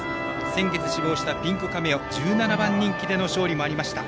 先月死亡したピンクカメオ１７番人気での勝利もありました。